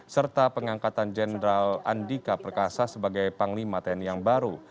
serta pengangkatan jenderal andika perkasa sebagai panglima tni yang baru